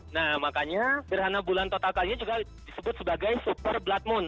nah makanya gerhana bulan total kali ini juga disebut sebagai super blood moon